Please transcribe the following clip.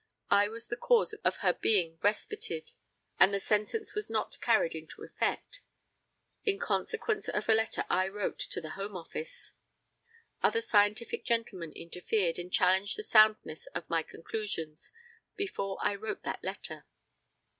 I was the cause of her being respited, and the sentence was not carried into effect, in consequence of a letter I wrote to the Home Office. Other scientific gentlemen interfered, and challenged the soundness of my conclusions before I wrote that letter.